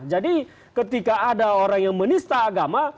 jadi ketika ada orang yang menista agama